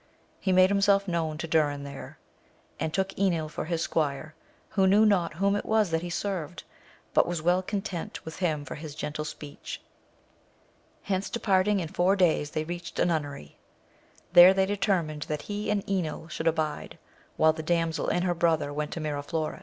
He made himself known to Dunn there, and took Enil for his squire, who knew not whom it was that he served, but was well content with him for his gentle speech. Hence departing, in four days they reached a nunnery ; there they deter mined that he and Enil should abide, while the damsel and her brother went to Miraflores.